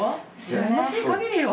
羨ましいかぎりよ。